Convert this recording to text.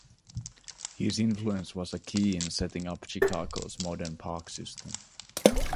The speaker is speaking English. His influence was key in setting up Chicago's modern park system.